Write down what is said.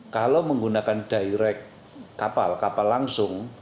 kalau menggunakan direct kapal kapal langsung